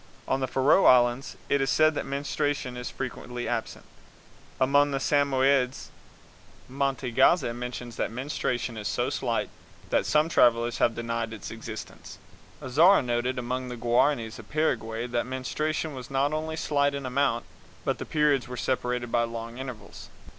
On the Faroe Islands it is said that menstruation is frequently absent. Among the Samoyeds, Mantegazza mentions that menstruation is so slight that some travelers have denied its existence. Azara noted among the Guaranis of Paraguay that menstruation was not only slight in amount, but the periods were separated by long intervals.